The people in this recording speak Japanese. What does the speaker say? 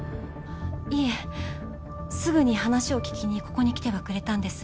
いえすぐに話を聞きにここに来てはくれたんです。